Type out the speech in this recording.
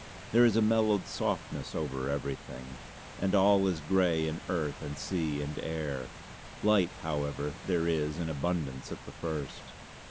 There is a mellowed softness over everything, and all is grey in earth and sea and air. Light, however, there is in abundance at the first.